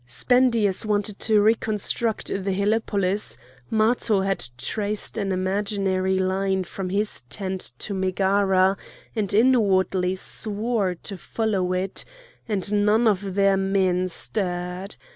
Spendius wanted to reconstruct the helepolis; Matho had traced an imaginary line from his tent to Megara, and inwardly swore to follow it, and none of their men stirred.